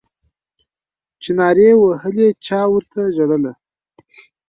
چا نارې وهلې چا ورته ژړله